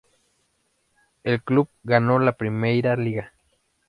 El club ganó la Primeira Liga.